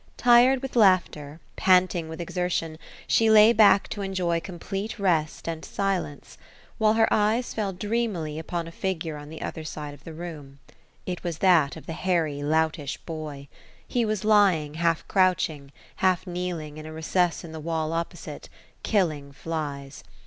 Tired with laughter, panting with exertion, she lay back to enjoy complete rest and silence ; while her eyes fell dreamily upon a figure on the other side of the room. It was that of the hairy loutish boy. He was lying half crouching, half kneeling, in a recess in the wall opposite, killing flies.